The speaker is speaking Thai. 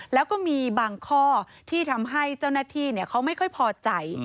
แล้วก็มีบางข้อที่ทำให้เจ้าหน้าที่เขาไม่ค่อยพอใจ